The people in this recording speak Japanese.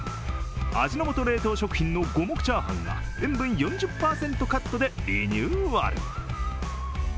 味の素冷凍食品の五目炒飯が塩分４０％カットでリニューアル。